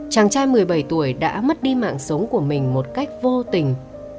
chàng trai một mươi bảy tuổi đã mất đi mạng sống của mình một cách vô tình